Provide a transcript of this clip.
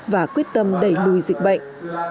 và quyết tâm đẩy lùi dịch bệnh